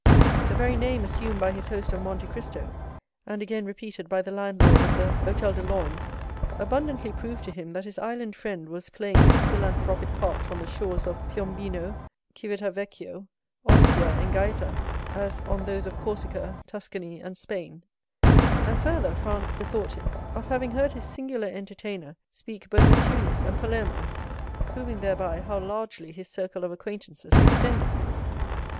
The very name assumed by his host of Monte Cristo and again repeated by the landlord of the Hôtel de Londres, abundantly proved to him that his island friend was playing his philanthropic part on the shores of Piombino, Civita Vecchia, Ostia, and Gaëta, as on those of Corsica, Tuscany, and Spain; and further, Franz bethought him of having heard his singular entertainer speak both of Tunis and Palermo, proving thereby how largely his circle of acquaintances extended.